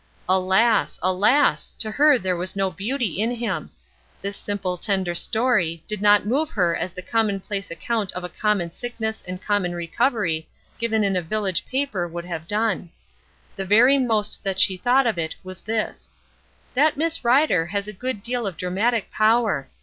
Alas, alas! to her there was no beauty in him. This simple tender story did not move her as the commonplace account of a common sickness and common recovery given in a village paper would have done. The very most that she thought of it was this: "That Miss Rider has a good deal of dramatic power.